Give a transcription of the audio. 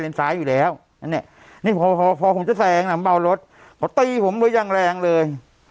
เล่นซ้ายอยู่แล้วอน่ะอันนี้พอพ่อผมจะแสงวธนาบบ่าวรถก็ต้มมือยังแรงเลย